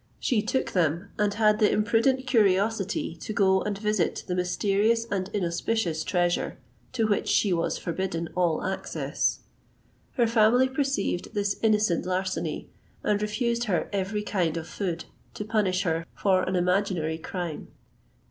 She took them, and had the imprudent curiosity to go and visit the mysterious and inauspicious treasure, to which she was forbidden all access. Her family perceived this innocent larceny, and refused her every kind of food, to punish her for an imaginary crime.